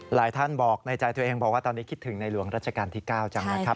หลายท่านบอกในใจตัวเองบอกว่าตอนนี้คิดถึงในหลวงรัชกาลที่๙จังนะครับ